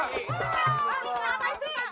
kenapa pak kenapa itu